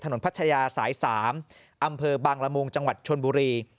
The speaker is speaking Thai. พัชยาสาย๓อำเภอบางละมุงจังหวัดชนบุรี